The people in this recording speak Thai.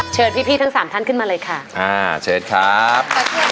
เชิญพี่พี่ทั้งสามท่านขึ้นมาเลยค่ะอ่าเชิญครับ